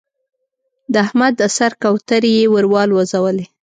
د احمد د سر کوترې يې ور والوزولې.